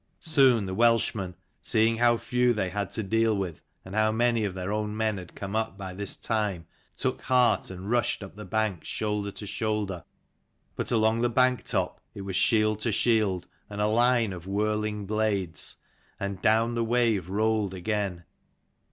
Soon the Welshmen, seeing how few they had to deal with, and how many of their own men had come up by this time, took heart, and rushed up the bank shoulder to shoulder. But along the bank top it was shield to shield, and a line of whirling blades: and down the wave rolled again.